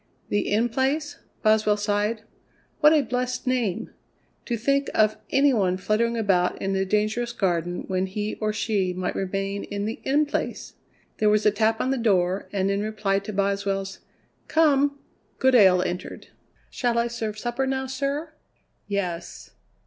"The In Place?" Boswell sighed. "What a blessed name! To think of any one fluttering about in the dangerous Garden when he or she might remain in the In Place!" There was a tap on the door, and in reply to Boswell's "Come!" Goodale entered. "Shall I serve supper now, sir?" "Yes."